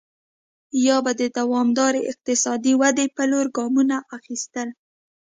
یا به د دوامدارې اقتصادي ودې په لور ګامونه اخیستل.